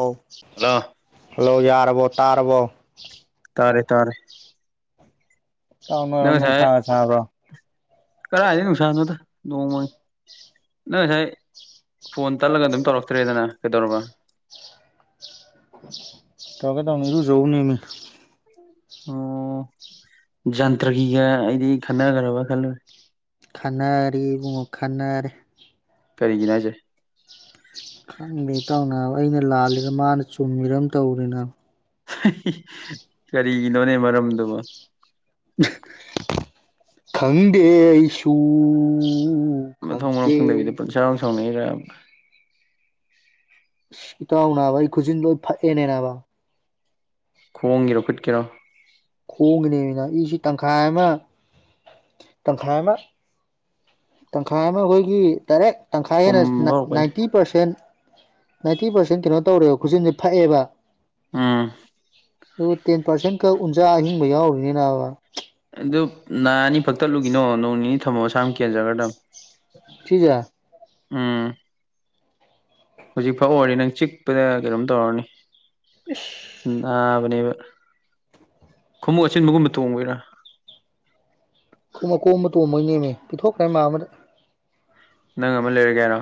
ꯑꯣ hello hello ꯌꯥꯔꯕꯣ ꯇꯥꯔꯕꯣ ꯇꯥꯔꯦ ꯇꯥꯔꯦ ꯆꯥꯎꯅ ꯅꯨꯡꯁꯥ ꯁꯥꯕ꯭ꯔꯣ [inaudible] ꯀꯥꯔꯥꯏꯗꯩ ꯅꯨꯡꯁꯥꯅꯣꯗ ꯅꯣꯡ ꯃꯪꯏ ꯅꯪ ꯉꯁꯥꯏ ꯐꯣꯟ ꯇꯠꯂꯒ ꯑꯗꯨꯝ ꯇꯧꯔꯛꯇ꯭ꯔꯦꯗꯅ ꯀꯩꯗꯧꯔꯕ [unintelligible] ꯇꯧꯒꯦ ꯇꯧꯅꯤ ꯏꯔꯨꯖꯔꯨꯕꯅꯤꯅꯦ ꯑꯣ ꯖꯟꯇ꯭ꯔꯒꯤꯒ ꯑꯩꯗꯤ ꯈꯠꯅꯈ꯭ꯔꯕ ꯈꯜꯂꯨꯔꯦ ꯈꯠꯅꯔꯦ ꯏꯕꯨꯡꯉꯣ ꯈꯠꯅꯔꯦ ꯀꯔꯤꯒꯤꯅꯣ ꯍꯥꯏꯁꯦ ꯈꯪꯗꯦ ꯏꯇꯥꯎ ꯅꯥꯕ ꯑꯩꯅ ꯂꯥꯜꯂꯤꯔ ꯃꯥꯅ ꯆꯨꯝꯃꯤꯔ ꯑꯃ ꯇꯧꯔꯤ ꯅꯥꯕ ꯀꯔꯤꯒꯤꯅꯣꯅꯦ ꯃꯔꯝꯗꯨꯕꯣ ꯈꯪꯗꯦ ꯑꯩꯁꯨꯨ ꯃꯊꯣꯡ ꯃꯔꯝ ꯈꯪꯗꯕꯤꯗ ꯄꯪꯁꯥꯎ ꯁꯥꯎꯅꯩꯔꯕ ꯏꯇꯥꯎ ꯅꯥꯕ ꯑꯩ ꯈꯨꯠꯖꯤꯟ ꯂꯣꯏ ꯐꯛꯑꯦꯅꯦ ꯅꯥꯕ ꯈꯣꯡꯒꯤꯔꯣ ꯈꯨꯠꯀꯤꯔꯣ ꯈꯣꯡꯒꯤꯅꯦꯃꯤ ꯅ ꯏꯁꯦ ꯇꯪꯈꯥꯏ ꯑꯃ ꯇꯪꯈꯥꯏ ꯑꯃ ꯇꯪꯈꯥꯏ ꯑꯃ ꯑꯩꯈꯣꯏꯒꯤ ꯗꯥꯏꯔꯦꯛ ꯇꯪꯈꯥꯏ ꯍꯦꯟꯅ ꯄꯨꯝꯕ ꯅꯥꯏꯟ ꯍꯧꯔꯛꯄꯩꯅꯦ ꯅꯥꯏꯟꯇꯤ ꯄꯔꯁꯦꯟ ꯅꯥꯏꯟꯇꯤ ꯄꯔꯁꯦꯟ ꯀꯩꯅꯣ ꯇꯧꯔꯦ ꯈꯨꯠꯖꯤꯟꯁꯦ ꯐꯛꯑꯦꯕ ꯎꯝ ꯑꯗꯨ ꯇꯦꯟ ꯄꯔꯁꯦꯟ ꯈꯛ ꯎꯟꯁꯥ ꯑꯍꯤꯡꯕ ꯌꯥꯎꯔꯤꯅꯦ ꯅꯥꯕ ꯑꯗꯨ ꯅꯥꯅꯤ ꯐꯛ ꯇꯠꯂꯨꯒꯤꯅꯣ ꯅꯣꯡ ꯅꯤꯅꯤ ꯊꯝꯃꯣ ꯃꯁꯥꯅ ꯀꯦꯟꯖꯈꯒ꯭ꯔꯗꯃꯤ ꯁꯤꯖ ꯎꯝ ꯍꯧꯖꯤꯛ ꯐꯥꯎ ꯑꯣꯏꯔꯗꯤ ꯅꯪ ꯆꯤꯛꯄꯗ ꯀꯩꯅꯣꯝ ꯇꯧꯔꯅꯤ ꯏꯁ ꯅꯥꯕꯅꯦꯕ ꯈꯣꯡꯎꯞ ꯑꯆꯤꯟꯕꯒꯨꯝꯕ ꯇꯣꯡꯕꯩꯔꯣ ꯈꯣꯡꯎꯞ ꯑꯀꯣꯝꯕ ꯇꯣꯝꯕꯩꯅꯦꯃꯤ ꯄꯤꯊꯣꯛꯈ꯭ꯔꯦ ꯃꯥꯝꯃꯥꯗ ꯅꯪ ꯑꯃ ꯂꯩꯔꯒꯦ ꯍꯥꯏꯔꯣ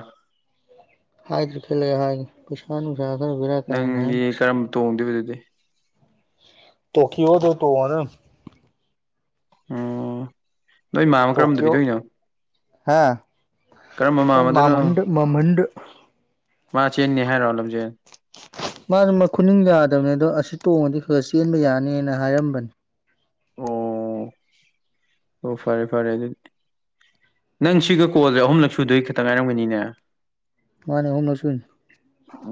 ꯍꯥꯏꯒꯦ ꯈꯜꯂꯦ ꯍꯥꯏ ꯄꯩꯁꯥ ꯅꯨꯡꯁꯥ ꯈꯔ ꯕꯦꯔꯥ ꯀꯥꯏꯅ ꯍꯥꯕꯅꯤ ꯇꯣꯡꯗꯕꯤꯗꯗꯤ ꯇꯣꯀ꯭ꯌꯣ ꯗꯣ ꯇꯣꯡꯉꯗꯝꯃꯦ ꯑꯣ ꯅꯣꯏ ꯃꯥꯝꯃ ꯀꯔꯝꯗ ꯄꯤꯊꯣꯛꯏꯅꯣ ꯍꯥꯥ ꯑꯈꯣꯏ ꯃꯥꯝꯃꯗꯅꯣ ꯃꯥꯝꯍꯟꯗ ꯃꯥꯝꯍꯟꯗ ꯃꯥ ꯆꯦꯟꯅꯤ ꯍꯥꯏꯔꯣ ꯂꯝꯖꯦꯜ ꯃꯥꯁꯨ ꯃꯈꯨꯅꯤꯡ ꯌꯥꯗꯕꯅꯦ ꯑꯗꯣ ꯑꯁꯤ ꯇꯣꯡꯉꯗꯤ ꯈꯔ ꯆꯦꯟꯕ ꯌꯥꯅꯤꯅ ꯍꯥꯏꯔꯝꯕꯅꯤ ꯑ ꯑꯣ ꯐꯔꯦ ꯐꯔꯦ ꯑꯗꯨꯗꯤ ꯅꯪ ꯁꯤꯒ ꯀꯣꯜꯁꯦ ꯑꯍꯨꯝꯂꯛ ꯁꯨꯗꯣꯏ ꯈꯛꯇꯪ ꯉꯥꯏꯔꯝꯒꯅꯤꯅꯦ ꯃꯥꯅꯦ ꯍꯨꯅꯁꯨꯏ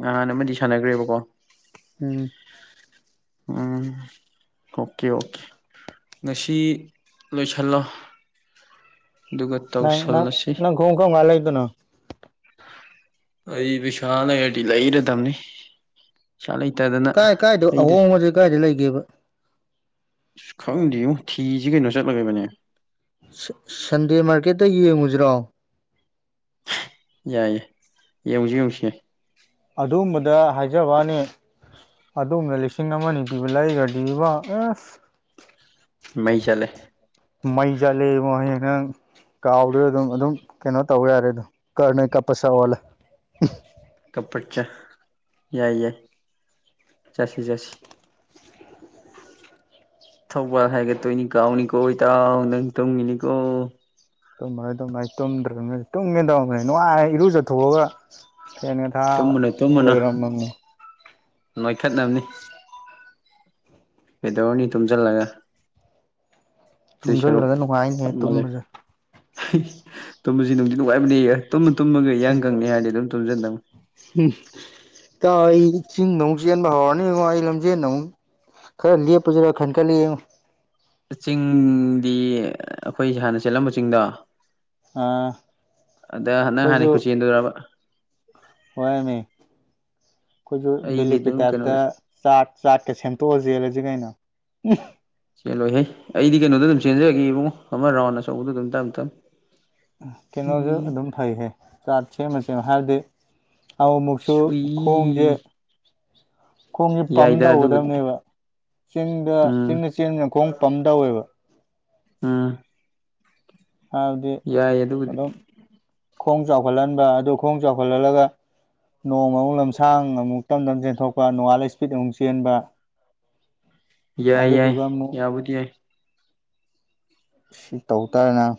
ꯅꯍꯥꯟꯅꯃꯗꯤ ꯁꯥꯟꯅꯈ꯭ꯔꯦꯕꯀꯣ ꯎꯝ ꯎꯝ ꯑꯣꯀꯦ ꯑꯣꯀꯦ ꯉꯁꯤ ꯂꯣꯏꯁꯤꯜꯂꯣ ꯑꯗꯨꯒ ꯅꯪ ꯅꯪ ꯇꯧꯁꯜꯂꯁꯤ ꯅꯪ ꯈꯣꯡꯎꯞ ꯀꯝ ꯀꯥꯟꯗ ꯂꯩꯗꯣꯏꯅꯣ ꯑꯩ ꯄꯩꯁꯥ ꯂꯩꯔꯗꯤ ꯂꯩꯔꯗꯝꯅꯤ ꯄꯩꯁꯩꯥ ꯂꯩꯇꯗꯅ ꯀꯥꯏ ꯀꯥꯏꯗ ꯂꯩꯗ꯭ꯔꯤ ꯑꯍꯣꯡꯕꯁꯦ ꯀꯥꯏꯗ ꯂꯩꯒꯦꯕ ꯏꯁ ꯈꯪꯗꯦꯉꯣ ꯊꯤꯁꯤ ꯀꯩꯅꯣ ꯆꯠꯂꯒ [unintelligible] ꯁ ꯁꯟꯗꯦ ꯃꯥꯔꯀꯦꯠꯇ ꯌꯦꯡꯉꯨꯁꯤꯔꯣ ꯌꯥꯏꯌꯦ ꯌꯡꯁꯤ ꯌꯡꯁꯤ ꯑꯗꯨꯒꯨꯝꯕꯗ ꯍꯥꯏꯖꯕꯅꯤ ꯑꯗꯣꯝꯅ ꯂꯤꯁꯤꯡ ꯑꯃ ꯑꯅꯤ ꯄꯤꯕ ꯂꯥꯛꯏꯒꯗꯤ ꯏꯕ ꯑꯦꯁ ꯃꯩ ꯆꯠꯂꯦ ꯃꯩꯖꯥꯂ ꯋꯥꯅ ꯀꯥꯎꯗꯣꯏ ꯑꯗꯨꯝ ꯑꯗꯨꯝ ꯀꯩꯅꯣ ꯇꯧꯕ ꯌꯥꯔꯦ ꯑꯗꯨꯝ ꯀꯔ ꯅꯣꯏ ꯀꯞꯄ ꯁꯛ ꯑꯣꯜꯂꯦ ꯀꯄꯠ ꯌꯥꯏ ꯌꯥꯏ ꯆꯁꯤ ꯆꯁꯤ ꯊꯧꯕꯥꯜ ꯍꯥꯏꯒꯠꯇꯣꯏꯅꯤ ꯀꯥꯎꯅꯤꯀꯣ ꯏꯇꯥꯎ ꯅꯪ ꯇꯧꯉꯤꯅꯤꯀꯣ ꯇꯨꯝꯃꯣꯏ ꯇꯨꯝꯃꯣꯏ ꯇꯨꯝꯗ꯭ꯔꯕꯅꯤ ꯇꯨꯝꯒ ꯇꯧꯝꯕꯅꯤ ꯅꯨꯡꯉꯥꯏꯔꯦ ꯏꯔꯨꯖꯠꯊꯣꯛꯑꯒ ꯍꯒ ꯇꯨꯝꯃꯨꯅꯨ ꯇꯨꯝꯃꯨꯅꯨ ꯅꯣꯏꯈꯠꯅꯕꯅꯤ ꯀꯩꯗꯧꯅꯤ ꯇꯨꯝꯖꯜꯂꯒ ꯑꯗꯨꯏ ꯁꯔꯨꯛ ꯇꯨꯝꯁꯤꯜꯂꯒ ꯅꯨꯡꯉꯥꯏꯅꯦ ꯐꯝꯃ ꯂꯩꯌꯨ ꯇꯨꯝꯕꯁꯦ [unintelligible] ꯇꯨꯝꯕꯖꯤ ꯅꯨꯡꯗꯤ ꯅꯨꯡꯉꯥꯏꯕꯅꯦ ꯇꯨꯝꯃ ꯇꯨꯝꯃꯒ ꯌꯥꯡ ꯀꯪꯅꯤ ꯍꯥꯏꯔꯗꯤ ꯑꯗꯨꯝ ꯇꯨꯝꯖꯤꯟꯗꯧꯅꯤ ꯎꯝ [unintelligible] ꯑꯩ ꯆꯤꯡꯗ ꯑꯃꯨꯛ ꯆꯦꯟꯕ ꯍꯧꯔꯅꯤꯉꯣ ꯑꯩ ꯂꯝꯖꯦꯟ ꯑꯃꯨꯛ ꯈꯔ ꯂꯦꯞꯄꯖꯤꯔ ꯈꯟꯀꯠꯂꯛꯑꯦꯉꯣ ꯆꯤꯡꯗꯤ ꯑꯩꯈꯣꯏ ꯍꯥꯟꯅ ꯆꯦꯜꯠꯂꯝꯕ ꯆꯤꯡꯗꯣ ꯑꯩꯈꯣꯏꯁꯨ ꯑꯗ ꯅꯪ ꯍꯥꯟꯅ ꯈꯨꯆꯗꯣꯏꯔꯕ ꯋꯥꯏꯃꯦ ꯑꯩꯈꯣꯏꯁꯨ ꯑꯩꯗꯤ ꯗꯤꯦꯂꯦꯞꯄꯤ ꯑꯗꯨꯝ ꯇꯥꯏꯞꯇ ꯀꯩꯅꯣꯗ ꯆꯥꯛ ꯆꯥꯠꯀ ꯁꯦꯝꯗꯣꯛꯑ ꯆꯦꯜꯂꯁꯤ ꯀꯩꯅꯣ ꯆꯦꯜꯂꯣꯏꯍꯦ ꯑꯩꯗꯤ ꯀꯩꯅꯣꯗꯣ ꯑꯗꯨꯝ ꯆꯦꯟꯖꯔꯒꯦ ꯏꯕꯨꯡ ꯑꯃ ꯔꯥꯎꯟ ꯑꯆꯧꯕꯗꯣ ꯑꯗꯨꯝ ꯇꯝꯝ ꯀꯩꯅꯣꯁꯨ ꯑꯗꯨꯝ ꯐꯩꯍ ꯆꯥꯠ ꯁꯦꯝꯃ ꯁꯦꯝꯃ ꯍꯥꯏꯔꯗꯤ ꯑ ꯑꯃꯨꯛꯁꯨ ꯁꯨꯏ ꯈꯣꯡꯁꯦ ꯈꯣꯡꯁꯦ ꯄꯝ ꯌꯥꯏꯗ ꯑꯗꯨꯕꯨꯗꯤ ꯇꯧꯒꯗꯕꯅꯦꯕ ꯆꯤꯡꯗ ꯎꯝ ꯆꯤꯡ ꯆꯦꯟꯕꯗ ꯈꯣꯡ ꯄꯟꯗꯧꯋꯦꯕ ꯎꯝ ꯍꯥꯏꯕꯗꯤ ꯌꯥꯏ ꯑꯗꯨꯕꯨꯗꯤ ꯑꯗꯨꯝ ꯈꯣꯡ ꯆꯥꯎꯈꯠꯍꯟꯕ ꯑꯗꯨ ꯈꯣꯡ ꯆꯥꯎꯈꯠꯍꯜꯂꯒ ꯅꯣꯡꯃꯨꯛ ꯂꯝꯁꯥꯡ ꯑꯃꯨꯛ ꯇꯞ ꯇꯞꯅ ꯆꯦꯟꯊꯣꯛꯄ ꯅꯣꯡꯉꯥꯜꯂ ꯏꯁꯄꯤꯠ ꯑꯃꯨꯛ ꯆꯦꯟꯕ [inaudible] ꯌꯥꯏ ꯌꯥꯏ ꯑꯗꯨꯗꯨꯒ ꯑꯃꯨꯛ ꯌꯥꯕꯨꯗꯤ ꯌꯥꯏ ꯁꯤ ꯇꯧ ꯇꯥꯔꯦ ꯅꯥꯕ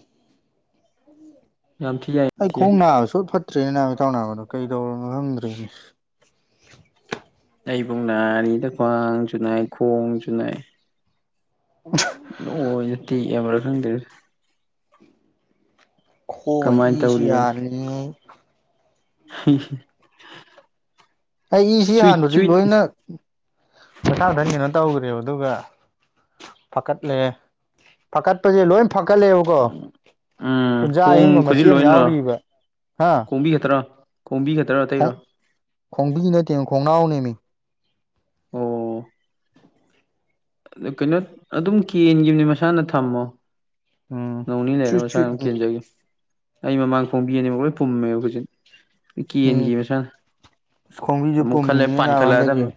ꯌꯥꯝ ꯊꯤ ꯌꯥꯏ ꯑꯩ ꯊꯤ ꯈꯣꯡ ꯌꯥꯏ ꯅꯥꯕ ꯁꯨꯐꯠ ꯐꯠꯇ꯭ꯔꯦꯅꯦ ꯅꯥꯕ ꯏꯇꯥꯎ ꯅꯥꯕ ꯑꯗꯣ ꯀꯩꯗꯧꯔꯕꯅꯣ ꯈꯪꯗ꯭ꯔꯦꯅꯦ ꯑꯩꯕꯨꯨꯡ ꯅꯥꯔꯤꯗ ꯈ꯭ꯋꯥꯡꯖꯨꯅꯥꯏ ꯈꯣꯡꯖꯨꯅꯥꯏ [unintelligible] ꯂꯣꯏꯅ ꯇꯦꯛꯑꯕ꯭ꯔ ꯈꯪꯗ꯭ꯔꯦꯗ ꯈꯣꯡꯒ ꯏ ꯀꯃꯥꯏꯅ ꯑꯁꯤ ꯇꯧꯔꯤꯕꯅꯣ ꯍꯥꯟꯂꯤꯅꯦ ꯑꯩ [unintelligible] ꯑꯩ ꯏꯁꯤ ꯆꯨꯏꯠ ꯍꯥꯟꯕꯗꯨꯗꯤ ꯆꯨꯏꯠ ꯂꯣꯏꯅ ꯃꯁꯥ ꯃꯊꯟ ꯀꯩꯅꯣ ꯇꯧꯒ꯭ꯔꯦꯕ ꯑꯗꯨꯒ ꯐꯀꯠꯂꯦ ꯐꯀꯠꯄꯖꯦ ꯂꯣꯏ ꯐꯀꯠꯂꯦꯕꯀꯣ ꯎꯝ ꯎꯟꯖꯥ ꯈꯣꯡ ꯑꯍꯤꯡꯕ ꯈꯨꯖꯤꯟ ꯃꯆꯤ ꯑꯃ ꯂꯣꯏꯅꯔꯣ ꯌꯥꯎꯔꯤꯕ ꯍꯥ ꯈꯣꯡꯕꯤ ꯈꯠꯇꯔꯣ ꯈꯣꯡꯕꯤ ꯈꯠꯇꯔꯣ ꯈꯣꯡ ꯑꯇꯩꯔ ꯈꯣꯡꯕꯤ ꯅꯠꯇꯦꯃꯦ ꯈꯣꯡꯅꯥꯎꯅꯦꯃꯦ ꯑꯣ ꯀꯩꯅꯣ ꯑꯗꯨꯝ ꯀꯦꯟꯈꯤꯕꯅꯤ ꯃꯁꯥꯅ ꯊꯝꯃꯣ ꯎꯝ ꯅꯣꯡ ꯅꯤꯅꯤ ꯂꯩꯔ ꯆꯨꯠ ꯃꯁꯥꯅ ꯑꯗꯨꯝ ꯆꯨꯠꯅꯤ ꯀꯦꯟꯖꯒꯤꯕꯅꯦ ꯑꯩ ꯃꯃꯥꯡ ꯈꯣꯡꯕꯤ ꯑꯅꯤꯃꯛ ꯂꯣꯏ ꯄꯨꯝꯃꯦꯕ ꯍꯧꯖꯤꯛ ꯎꯝ ꯀꯦꯟꯒꯤ ꯃꯁꯥꯅ ꯈꯣꯡꯕꯤꯁꯨ ꯑꯃꯨꯛ ꯈꯔ ꯂꯩꯔ ꯄꯥꯟꯈꯠꯂꯛꯑꯗꯕꯅꯦ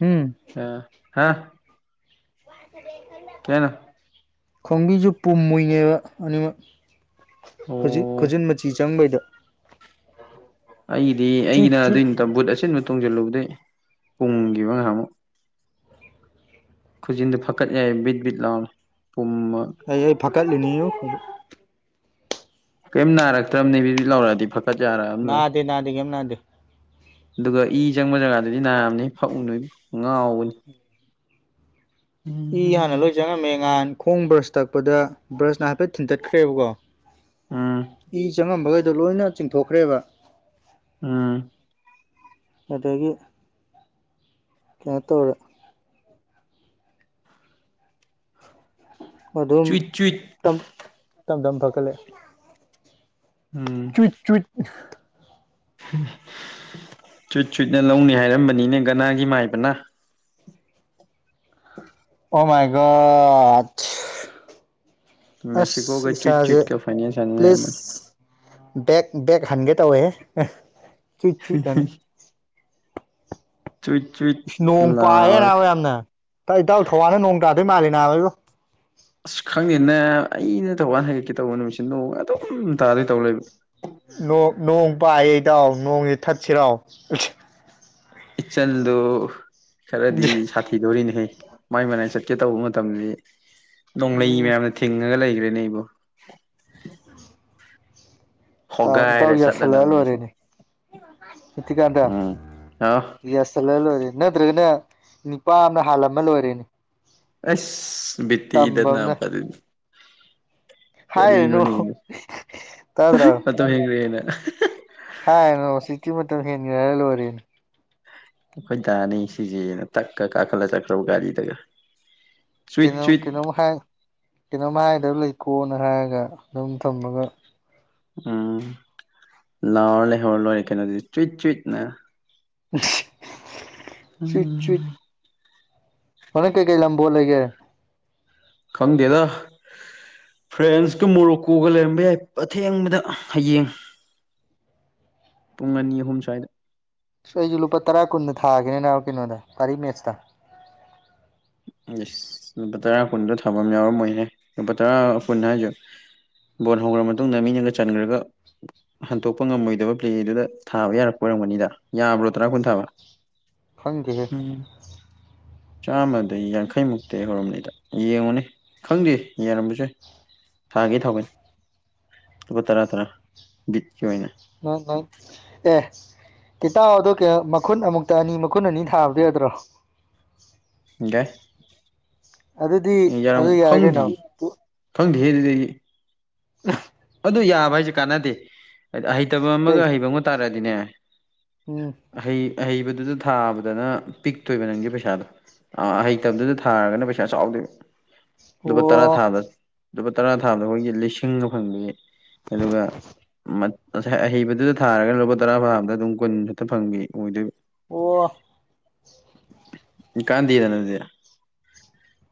ꯍꯨꯝ ꯑ ꯍꯥꯥ ꯈꯣꯡꯕꯤꯖꯨ ꯄꯨꯝꯃꯨꯏꯅꯦꯕ ꯑꯅꯤꯃꯛ ꯈꯨꯖꯤꯛ ꯑꯣ ꯈꯨꯖꯤꯟ ꯃꯆꯤ ꯆꯪꯕꯩꯗ ꯑꯩꯒꯤꯗꯤ ꯆꯨꯠ ꯑꯩꯒꯤꯅ ꯆꯨꯠ ꯑꯗꯨꯏ ꯅꯠꯇꯕ ꯕꯨꯠ ꯑꯆꯤꯟꯕ ꯇꯣꯡꯖꯤꯜꯂꯨꯕꯗꯩ ꯄꯨꯝꯒꯤꯕ ꯉꯍꯥꯟꯃꯨꯛ ꯈꯨꯖꯤꯟꯗꯨ ꯐꯀꯠ ꯌꯥꯏ ꯕꯤꯠ ꯕꯤꯠ ꯂꯥꯎꯅ ꯄꯨꯝꯃ ꯑꯩ ꯑꯩ ꯐꯀꯠꯂꯤꯅꯤꯌꯨ ꯀꯩꯝ ꯅꯥꯔꯛꯇ꯭ꯔꯝꯅꯦ ꯕꯤꯠ ꯕꯤꯠ ꯂꯥꯎꯔꯛꯑꯗꯤ ꯐꯀꯠ ꯌꯥꯔꯛꯑꯕꯅꯦ ꯂꯣꯏ ꯅꯥꯗꯦ ꯅꯥꯗꯦ ꯀꯩꯝ ꯅꯥꯗꯦ ꯑꯗꯨꯒ ꯏ ꯆꯪꯕ ꯖꯒꯥꯗꯨꯗꯤ ꯅꯥꯕꯅꯦꯍꯦ ꯐꯛꯎꯅꯨ ꯏꯕꯣ ꯉꯥꯎꯕꯅꯤ ꯏ ꯍꯥꯟꯅ ꯂꯣꯏ ꯆꯪꯉꯝꯃꯦ ꯉꯍꯥꯟ ꯈꯣꯡ ꯕ꯭ꯔꯁ ꯇꯛꯄꯗ ꯕ꯭ꯔꯁꯅ ꯍꯥꯏꯐꯦꯠ ꯊꯤꯟꯇꯠꯈ꯭ꯔꯦꯕꯀꯣ ꯎꯝ ꯏ ꯆꯪꯉꯝꯕꯈꯩꯗꯣ ꯂꯣꯏꯅ ꯆꯤꯡꯊꯣꯛꯈ꯭ꯔꯦꯕ ꯎꯝ ꯑꯗꯒꯤ [unintelligible] ꯑꯗꯨꯝ ꯆꯨꯏꯠ ꯆꯨꯏꯠ ꯇꯝ ꯇꯝ ꯐꯒꯠꯂꯛꯑꯦ ꯎꯝ ꯆꯨꯠ ꯆꯨꯠꯅ ꯆꯨꯠ ꯆꯨꯠꯅ ꯂꯧꯅꯤ ꯍꯥꯏꯔꯝꯕꯅꯤꯅꯦ ꯒꯅꯥꯒꯤ ꯃꯥꯏꯕꯅ ꯑꯣꯃꯥꯏꯒꯣꯠ ꯑꯁ ꯃꯦꯛꯁꯤꯀꯣꯒ ꯆꯨꯏꯠ ꯏꯁꯥꯁꯦ ꯆꯨꯏꯠꯀ ꯐꯥꯏꯅꯦꯜ ꯁꯥꯟꯅꯔꯝꯕꯅꯤ ꯄꯂꯤꯁ ꯕꯦꯠ ꯕꯦꯛ ꯍꯟꯒꯦ ꯇꯧꯋꯦꯍꯦ ꯆꯨꯠ ꯆꯨꯨꯠ ꯍꯥꯏꯅꯥ ꯆꯨꯠ ꯆꯨꯠ ꯏꯁ ꯅꯣꯡ ꯄꯥꯏꯍꯦ ꯅꯥꯕ ꯌꯥꯝꯅ ꯏꯇꯥ ꯏꯇꯥꯎ ꯊꯧꯋꯥꯟꯗ ꯅꯣꯡ ꯇꯥꯗꯣꯏ ꯃꯥꯜꯂꯦ ꯅꯥꯕ ꯏꯕꯣ ꯑꯁ ꯈꯪꯗꯦꯅꯥ ꯑꯩꯅ ꯊꯧꯕꯥꯟ ꯍꯥꯏꯒꯠꯀꯦ ꯇꯧꯕ ꯅꯨꯃꯤꯠꯁꯦ ꯅꯣꯡ ꯑꯗꯨꯝ ꯇꯥꯗꯨꯏ ꯇꯧ ꯂꯩꯕ ꯅꯣꯡ ꯅꯣꯡ ꯄꯥꯏꯌꯦ ꯏꯇꯥꯎ ꯅꯣꯡꯖꯦ ꯊꯠꯁꯤꯔꯣ ꯏꯆꯟꯗꯨ ꯈꯔꯗꯤ ꯁꯥꯊꯤꯗꯣꯔꯤꯅꯦꯍꯦ ꯃꯥꯏ ꯃꯅꯥꯛ ꯆꯠꯀꯦ ꯇꯧꯕ ꯃꯇꯝꯖꯤ ꯅꯣꯡꯂꯩ ꯎꯝ ꯃꯌꯥꯝꯅ ꯊꯤꯡꯉꯒ ꯂꯩꯒ꯭ꯔꯦꯅꯦ ꯑꯩꯕꯨ ꯇꯥꯎ ꯏꯇꯥꯎ ꯍꯣꯒꯥꯏꯔ ꯌꯥꯁꯤꯜꯂ ꯆꯠꯂꯗꯕꯅꯦ ꯉꯁꯤ ꯂꯣꯏꯔꯦꯅꯦ ꯏꯠꯊꯤꯀꯥꯟꯗ ꯎꯝ ꯍꯥꯎ ꯌꯥꯁꯜꯂ ꯂꯣꯏꯔꯦꯅꯦ ꯅꯠꯇ꯭ꯔꯒꯅ ꯅꯤꯄꯥ ꯑꯃ ꯍꯥꯜꯂꯝꯃ ꯂꯣꯏꯔꯦꯅꯦ ꯑꯁ ꯇꯝꯕ ꯕꯤꯠꯇꯤꯗꯥꯅ ꯑꯃꯅ ꯐꯖꯩ ꯀꯔꯤ ꯍꯥꯏꯔꯨꯅꯨ ꯅꯣꯅꯦ ꯇꯥꯗ꯭ꯔꯣ [unintelligible] ꯍꯥꯏꯔꯨꯅꯨ ꯁꯤꯛꯇꯤ ꯃꯇꯝ ꯍꯦꯟꯒꯔꯦ ꯍꯥꯏꯔꯥ ꯂꯣꯏꯔꯦꯅꯦ ꯑꯩꯈꯣꯏ ꯗꯥꯅꯤ ꯁꯤꯖꯦꯅ ꯇꯛꯀ ꯀꯥꯈꯠꯂ ꯆꯠꯈ꯭ꯔꯕ ꯒꯥꯔꯤꯗꯒ ꯆꯨꯏꯠ ꯀꯩꯅꯣ ꯆꯨꯏꯠ ꯀꯩꯅꯣꯝ ꯍꯥꯏ ꯀꯩꯅꯣꯝ ꯍꯥꯏꯗꯕ ꯂꯩꯀꯣꯟꯅ ꯍꯥꯏꯔꯒ ꯑꯗꯨꯝ ꯊꯝꯃꯒ ꯎꯝ ꯂꯥꯎꯔ ꯂꯩꯍꯧꯔ ꯂꯣꯏꯔꯦ ꯀꯩꯅꯣꯗꯤ ꯆꯨꯏꯠ ꯆꯨꯏꯠꯅ ꯏꯁ ꯎꯝ ꯍꯣꯔꯦꯟ ꯀꯩꯀꯩ ꯂꯝꯕꯣꯟ ꯂꯩꯒꯦ ꯈꯪꯗꯦꯗ ꯐ꯭ꯔꯦꯟꯁꯀ ꯃꯣꯔꯣꯛꯀꯣꯒ ꯂꯩꯔꯝꯕ ꯌꯥꯏ ꯑꯊꯦꯡꯕꯗ ꯍꯌꯦꯡ ꯄꯨꯡ ꯑꯅꯤ ꯑꯍꯨꯝ ꯁ꯭ꯋꯥꯏꯗ ꯁꯋꯥ ꯑꯩꯁꯨ ꯂꯨꯄꯥ ꯇꯔꯥ ꯀꯨꯟꯗ ꯊꯥꯒꯦꯔꯅꯥ ꯀꯩꯅꯣꯗ ꯄꯥꯔꯤ ꯃꯦꯠꯁꯇ ꯏꯁ ꯂꯨꯄꯥ ꯇꯔꯥ ꯀꯨꯟꯗꯣ ꯊꯥꯕꯝ ꯌꯥꯎꯔꯝꯃꯣꯏꯍꯦ ꯂꯨꯄꯥ ꯇꯔꯥ ꯀꯨꯟ ꯍꯥꯏꯁꯦ ꯕꯣꯟ ꯍꯧꯈ꯭ꯔ ꯃꯇꯨꯡꯗ ꯃꯤꯅꯒ ꯆꯟꯈ꯭ꯔꯒ ꯍꯟꯇꯣꯛꯄ ꯉꯝꯃꯣꯏꯗꯕ ꯄ꯭ꯂꯦꯗꯨꯗ ꯊꯥꯕ ꯌꯥꯔꯛꯄ ꯑꯣꯏꯔꯝꯒꯅꯤꯗ ꯌꯥꯕ꯭ꯔꯣ ꯇꯔꯥ ꯀꯨꯟ ꯊꯥꯕ ꯈꯪꯗꯦꯍꯦ ꯎꯝ ꯆꯥꯝꯃꯥ ꯗꯥ ꯌꯥꯡꯈꯩꯃꯨꯛꯇꯩ ꯍꯧꯔꯝꯅꯤꯗ ꯌꯦꯡꯉꯨꯅꯦ ꯈꯪꯗꯦ ꯌꯥꯔꯝꯕꯁꯨ ꯌꯥꯏ ꯊꯥꯒꯦ ꯊꯥꯎꯅꯦ ꯂꯨꯄꯥ ꯇꯔꯥ ꯇꯔꯥ ꯕꯤꯠꯀꯤ ꯑꯣꯏꯅ ꯑꯦ ꯏꯇꯥꯎ ꯑꯗꯣ ꯀꯌꯥ ꯃꯈꯨꯟ ꯑꯃꯨꯛꯇ ꯑꯅꯤ ꯃꯈꯨꯟ ꯑꯅꯤ ꯊꯥꯕꯗꯤ ꯌꯥꯗ꯭ꯔꯣ ꯌꯥꯏ ꯑꯗꯨꯗꯤ ꯌꯥꯔꯝ ꯑꯗꯨ ꯌꯥꯔꯦ ꯀꯩꯅꯣ ꯈꯪꯗꯤꯌꯦ ꯈꯪꯗꯦꯍꯦ ꯗꯨꯗꯤ ꯑꯩꯗꯤ [inaudible] ꯑꯗꯨ ꯌꯥꯕ ꯍꯥꯏꯁꯦ ꯀꯥꯟꯅꯗꯦ ꯍꯩꯇꯕ ꯀꯩ ꯑꯃꯒ ꯍꯩꯕ ꯑꯃꯒ ꯇꯥꯔꯛꯑꯗꯤꯅꯦ ꯎꯝ ꯑꯍꯩ ꯑꯍꯩꯕꯗꯨꯗ ꯊꯥꯕꯗꯅ ꯄꯤꯛꯇꯣꯏꯕ ꯅꯪꯒꯤ ꯄꯩꯁꯥꯗꯣ ꯑꯥ ꯑꯍꯩꯇꯕꯗꯨꯗ ꯊꯥꯔꯒꯅ ꯄꯩꯁꯥ ꯆꯥꯎꯗꯣꯏꯕ ꯂꯨꯄꯥ ꯑꯣ ꯇꯔꯥ ꯊꯥꯕ ꯂꯨꯄꯥ ꯇꯔꯥ ꯊꯥꯕꯗ ꯑꯩꯈꯣꯏꯒꯤ ꯂꯤꯁꯤꯡꯒ ꯐꯪꯕꯒꯤ ꯑꯗꯨꯒ ꯃꯠ ꯉꯁꯥꯏ ꯑꯍꯩꯕꯗꯨꯗ ꯊꯥꯔꯒꯅ ꯂꯨꯄꯥ ꯇꯔꯥ ꯐꯥꯕꯗ ꯑꯗꯨꯝ ꯀꯨꯟ ꯈꯛꯇ ꯐꯪꯕꯤ ꯑꯣꯏꯗꯣꯏꯕ ꯑꯣ ꯀꯥꯟꯗꯦꯗꯅ ꯑꯗꯨꯗꯤ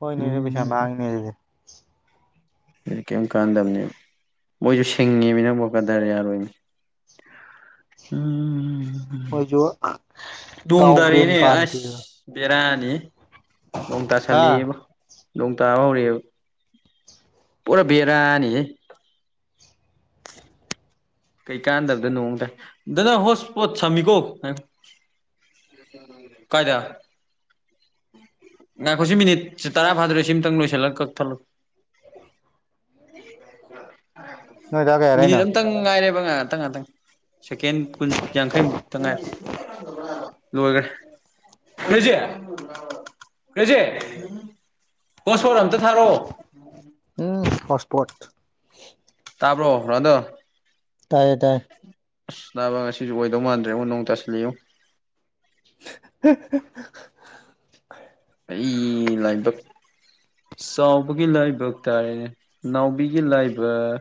ꯍꯣꯏꯅꯦꯗꯨ ꯄꯩꯁꯥ ꯎꯝ ꯃꯥꯡꯅꯦ ꯑꯗꯨꯗꯤ ꯑꯗꯨ ꯀꯩꯝ ꯀꯥꯟꯗꯝꯅꯦ ꯃꯣꯏꯁꯨ ꯁꯤꯡꯉꯤꯃꯤꯅ ꯃꯣꯏ ꯀꯗꯔ ꯌꯥꯔꯣꯏꯃꯤ ꯎꯝ ꯈꯣꯏꯁꯨ ꯗꯣꯡꯗꯥꯔꯦꯅꯦ ꯑꯁ ꯕꯦꯔꯥꯅꯦ ꯅꯣꯡ ꯍꯥ ꯇꯥꯁꯂꯛꯑꯕꯣ ꯅꯣꯡ ꯇꯥꯕ ꯍꯧꯔꯦꯕ ꯄꯨꯔꯥ ꯕꯦꯔꯥꯅꯤꯍ ꯀꯩꯀꯥꯟꯗꯕꯗ ꯅꯣꯡꯗ ꯗꯅꯪ ꯍꯣꯁ ꯄꯣꯠ ꯁꯝꯃꯤꯀꯣ ꯀꯥꯏꯗ ꯉꯥꯏꯈꯣ ꯁꯤ ꯃꯤꯅꯤꯠ ꯁꯤ ꯇꯔꯥ ꯐꯥꯗꯣꯔꯦ ꯁꯤꯝꯇꯪ ꯂꯣꯏꯁꯤꯜꯂꯒ ꯀꯛꯊꯠꯂꯣ ꯅꯣꯏꯗꯥ ꯀꯩ ꯍꯥꯏꯔꯛꯏꯅꯣ ꯈꯤꯇꯪ ꯉꯥꯏꯔꯦꯕ ꯉꯥꯍꯥꯇꯪ ꯉꯥꯍꯥꯇꯪ ꯁꯦꯀꯦꯟ ꯀꯨꯟ ꯌꯥꯡꯈꯩꯃꯨꯛꯇ ꯉꯥꯏꯔꯦ ꯂꯣꯏꯒꯔꯦ ꯔꯦꯖꯦ ꯔꯦꯖꯦ ꯍꯣꯁꯄꯣꯠ ꯑꯝꯇ ꯊꯥꯔꯛꯑꯣ ꯎꯝ ꯍꯣꯁꯄꯣꯔꯠ ꯇꯥꯕ꯭ꯔꯣ ꯔꯣꯅꯥꯟꯗꯣ ꯇꯥꯏꯌꯦ ꯇꯥꯏꯌꯦ ꯑꯁ ꯅꯥꯕ ꯉꯁꯤꯁꯨ ꯑꯣꯏꯗꯧ ꯃꯥꯟꯗ꯭ꯔꯦꯉꯣ ꯅꯣꯡ ꯇꯁꯤꯜꯂꯛꯑꯦꯉꯣ [inaudible] ꯑꯩ ꯂꯥꯏꯕꯛ ꯆꯥꯎꯕꯒꯤ ꯂꯥꯏꯕꯛ ꯇꯥꯔꯦꯅꯦ ꯅꯥꯎꯕꯤꯒꯤ ꯂꯥꯏꯕꯛ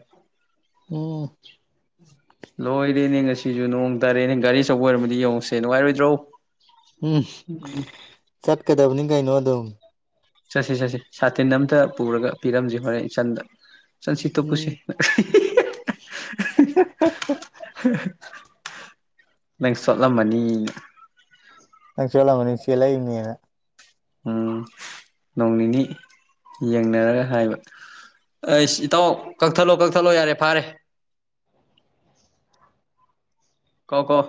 ꯎꯝ ꯂꯣꯏꯔꯦꯅꯦ ꯉꯁꯤꯁꯨ ꯅꯣꯡ ꯇꯥꯔꯦꯅꯦ ꯒꯥꯔꯤꯑꯆꯧꯕ ꯑꯣꯏꯔꯃꯗꯤ ꯌꯦꯡꯉꯨꯁꯦ ꯅꯨꯡꯉꯥꯏꯔꯣꯏꯗ꯭ꯔꯣ ꯎꯝ ꯎꯝ ꯆꯠꯀꯗꯕꯅꯤ ꯀꯩꯅꯣ ꯑꯗꯨꯝ ꯆꯠꯁꯤ ꯆꯠꯁꯤ ꯁꯥꯇꯤꯟ ꯑꯝꯇ ꯄꯨꯔꯒ ꯄꯤꯔꯝꯁꯦ ꯍꯣꯔꯦꯟ ꯏꯆꯟꯗ ꯆꯟꯁꯤ ꯎꯝ ꯇꯨꯄꯨꯁꯦꯅ [inaudible] [inaudible] ꯅꯪ ꯆꯣꯠꯂꯝꯃꯅꯤ ꯅꯪ ꯆꯣꯜꯂꯝꯃꯅꯤ ꯆꯦꯜꯂꯩꯝꯅꯤꯅ ꯎ ꯅꯣꯡ ꯅꯤꯅꯤ ꯌꯦꯡꯅꯔꯒ ꯍꯥꯏꯕ ꯑꯩꯁ ꯏꯇꯥꯎ ꯀꯛꯊꯠꯂꯣ ꯀꯛꯊꯠꯂꯣ ꯌꯥꯔꯦ ꯐꯥꯔꯦ ꯀꯛꯑꯣ ꯀꯣ